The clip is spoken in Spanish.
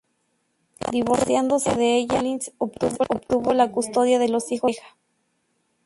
Divorciándose de ella, Collins obtuvo la custodia de los hijos de la pareja.